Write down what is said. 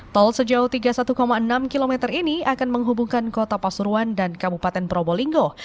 tol sejauh tiga puluh satu enam km ini akan menghubungkan kota pasuruan dan kabupaten probolinggo